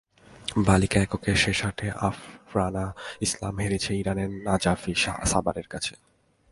বালিকা এককের শেষ আটে আফরানা ইসলাম হেরেছে ইরানের নাজাফি সাবার কাছে।